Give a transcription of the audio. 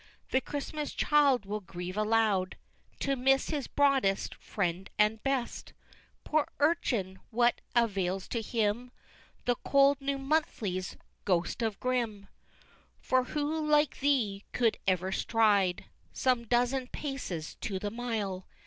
The Christmas child will grieve aloud To miss his broadest friend and best, Poor urchin! what avails to him The cold New Monthly's Ghost of Grimm? XVIII. For who like thee could ever stride! Some dozen paces to the mile!